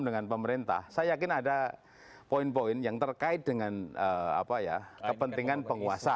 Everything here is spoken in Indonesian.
dengan pemerintah saya yakin ada poin poin yang terkait dengan apa ya kepentingan penguasa